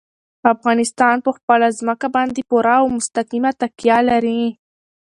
افغانستان په خپله ځمکه باندې پوره او مستقیمه تکیه لري.